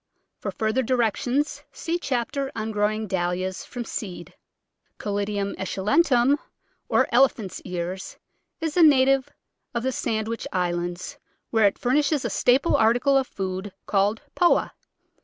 For further directions see chapter on growing Dahlias from seed. Caladium esculentum, or Elephant's Ears, is a na tive of the Sandwich Islands, where it furnishes a staple article of food called Poa.